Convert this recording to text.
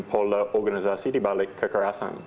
pola organisasi di balik kekerasan